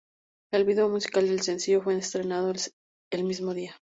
El vídeo musical del sencillo fue estrenado el mismo día.